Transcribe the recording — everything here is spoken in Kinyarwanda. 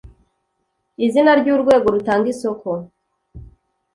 Izina ry urwego rutanga isoko